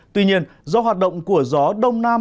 tuy nhiên do hoạt động của gió đông nam